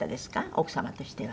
奥様としては。